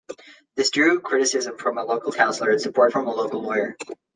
This drew criticism from a local councillor and support from a local lawyer.